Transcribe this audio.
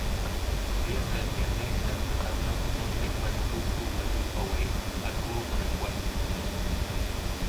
Ella se defiende interpretando "Don't Take My Boop-Boop-a-Doop Away" a dúo con el juez.